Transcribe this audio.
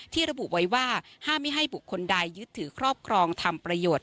ระบุไว้ว่าห้ามไม่ให้บุคคลใดยึดถือครอบครองทำประโยชน์